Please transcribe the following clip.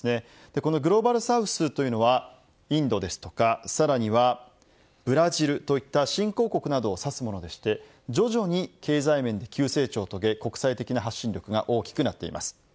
このグローバルサウスというのはインドですとかさらにはブラジルといった新興国などを指すもので徐々に経済面で急成長を遂げ国際的な発信力が大きくなっています。